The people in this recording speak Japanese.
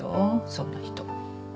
そんな人。